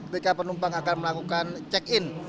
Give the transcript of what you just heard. ketika penumpang akan melakukan check in